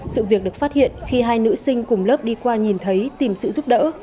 sự việc được phát hiện khi hai nữ sinh cùng lớp đi qua nhìn thấy tìm sự giúp đỡ